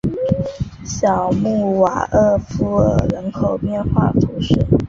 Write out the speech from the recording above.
小穆瓦厄夫尔人口变化图示